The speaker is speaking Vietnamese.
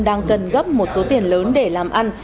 đang cần gấp một số tiền lớn để làm ăn